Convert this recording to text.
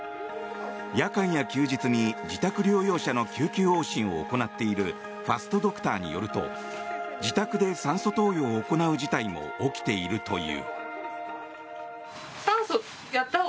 夜間や休日に自宅療養者の救急往診を行っているファストドクターによると自宅で酸素投与を行う事態も起きているという。